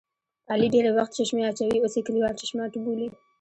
علي ډېری وخت چشمې اچوي اوس یې کلیوال چشماټو بولي.